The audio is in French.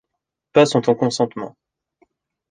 Pas sans ton consentement.